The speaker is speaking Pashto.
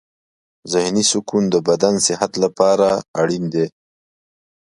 ذهني سکون د بدن صحت لپاره اړین دی.